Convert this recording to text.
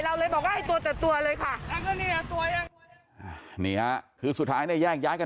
เลยบอกว่าให้ตัวแต่ตัวเลยค่ะนี่ฮะคือสุดท้ายเนี่ยแยกย้ายกัน